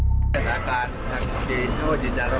ผู้หญิงคนสุดท้ายการรอบสู่ตรงปลอดภัย